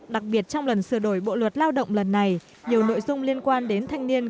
đặc biệt trong lần sửa đổi bộ luật lao động lần này nhiều nội dung liên quan đến thanh niên